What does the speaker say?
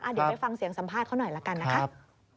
เดี๋ยวไปฟังเสียงสัมภาษณ์เขาหน่อยละกันนะคะ